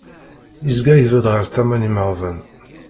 Izga ibedd ɣer tama n yimaɣban.